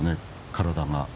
体が。